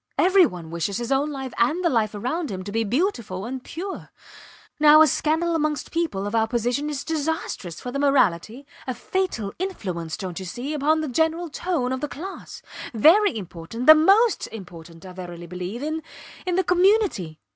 Every one wishes his own life and the life around him to be beautiful and pure. Now, a scandal amongst people of our position is disastrous for the morality a fatal influence dont you see upon the general tone of the class very important the most important, I verily believe, in in the community.